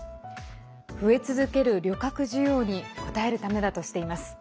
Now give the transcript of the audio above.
増え続ける旅客需要に応えるためだとしています。